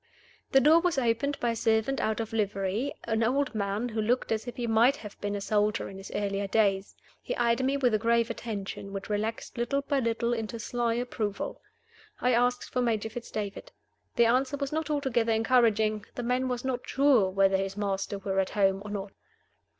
The door was opened by a servant out of livery, an old man who looked as if he might have been a soldier in his earlier days. He eyed me with a grave attention, which relaxed little by little into sly approval. I asked for Major Fitz David. The answer was not altogether encouraging: the man was not sure whether his master were at home or not.